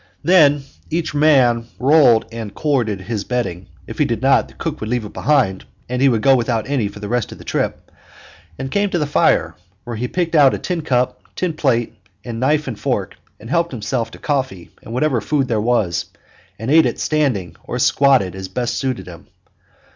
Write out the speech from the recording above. Then each man rolled and corded his bedding if he did not, the cook would leave it behind and he would go without any for the rest of the trip and came to the fire, where he picked out a tin cup, tin plate, and knife and fork, helped himself to coffee and to whatever food there was, and ate it standing or squatting as best suited him.